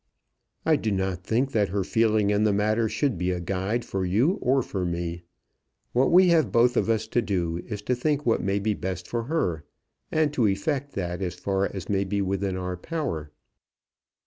"I do not think that her feeling in the matter should be a guide for you or for me. What we have both of us to do is to think what may be best for her, and to effect that as far as may be within our power."